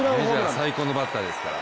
メジャー最高のバッターですから。